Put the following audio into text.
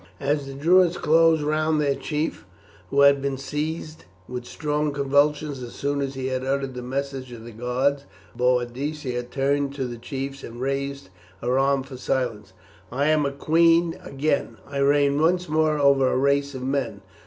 As the Druids closed round their chief, who had been seized with strong convulsions as soon as he had uttered the message of the gods, Boadicea turned to the chiefs and raised her arm for silence. "I am a queen again; I reign once more over a race of men.